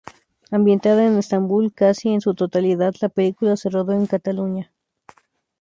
Ambientada en Estambul, casi en su totalidad la película se rodó en Cataluña.